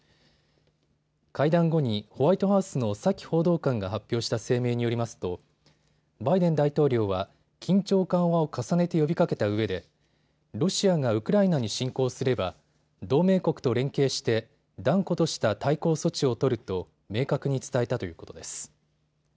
会談後にホワイトハウスのサキ報道官が発表した声明によりますとバイデン大統領は緊張緩和を重ねて呼びかけた上でロシアがウクライナに侵攻すれば同盟国と連携して断固とした対抗措置をとると明確に伝えたということです。